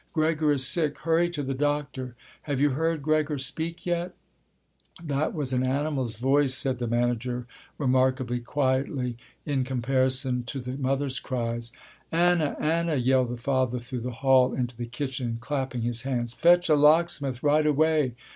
Gregor is sick. Hurry to the doctor. Have you heard Gregor speak yet?" "That was an animal's voice," said the manager, remarkably quietly in comparison to the mother's cries. "Anna! Anna!' yelled the father through the hall into the kitchen, clapping his hands, "fetch a locksmith right away!"